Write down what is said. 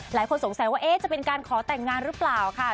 หลายคนสงสัยว่าจะเป็นการขอแต่งงานหรือเปล่าค่ะ